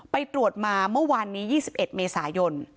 ไปตรวจมาเมื่อวานนี้๒๑เมษายน